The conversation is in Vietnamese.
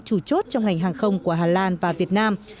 chủ chốt trong ngành hàng không của hà lan và việt nam